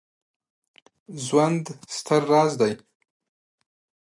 ژوند ستر راز دی